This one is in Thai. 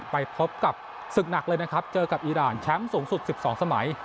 ไปพบกับศึกหนักเลยนะครับเจอกับอีรานแชมป์สูงสุด๑๒สมัย